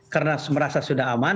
karena merasa sudah aman